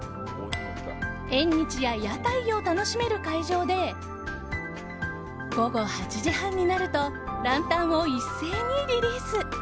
縁日や屋台を楽しめる会場で午後８時半になるとランタンを一斉にリリース。